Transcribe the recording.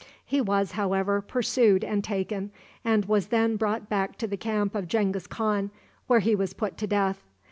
He was, however, pursued and taken, and was then brought back to the camp of Genghis Khan, where he was put to death.